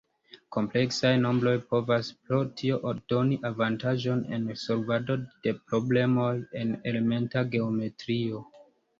Kompleksaj nombroj povas pro tio doni avantaĝon en solvado de problemoj en elementa geometrio.